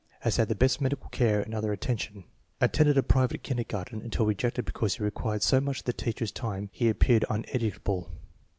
Has had the best medical care and other attention. Attended a private kindergarten until rejected because he required so much of the teacher's time and appeared uneducable.